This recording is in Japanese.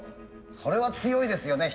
それは強いですよね